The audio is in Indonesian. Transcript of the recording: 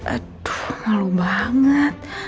aduh malu banget